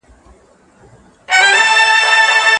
فیصل په ډېرې غوسې د خپل علمي سفر بوج په ځمکه وغورځاوه.